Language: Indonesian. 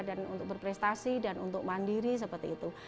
dan untuk berprestasi dan untuk mandiri seperti itu